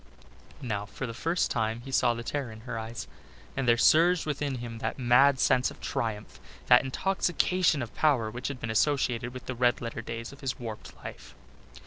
Now for the first time he saw the terror in her eyes, and there surged within him that mad sense of triumph, that intoxication of power which had been associated with the red letter days of his warped life.